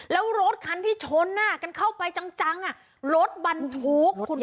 แล้วรถคันที่ชนกันเข้าไปจังรถบรรทุกคุณ